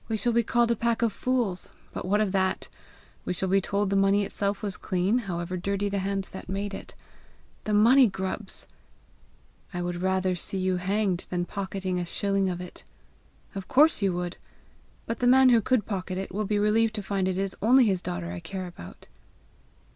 "We shall be called a pack of fools, but what of that! We shall be told the money itself was clean, however dirty the hands that made it! The money grubs!" "I would rather see you hanged, than pocketing a shilling of it!" "Of course you would! But the man who could pocket it, will be relieved to find it is only his daughter I care about."